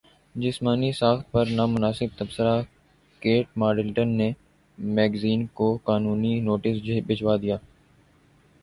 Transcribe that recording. جسمانی ساخت پر نامناسب تبصرہ کیٹ مڈلٹن نے میگزین کو قانونی نوٹس بھجوادیا